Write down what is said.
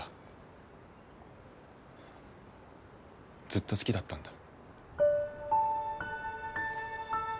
ずっと好きだったんだ。